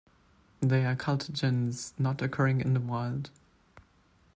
They are cultigens, not occurring in the wild.